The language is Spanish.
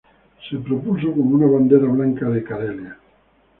Se propuso como una bandera blanca de Carelia.